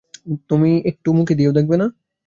তুমি একটু মুখে দিয়েও দেখবে না?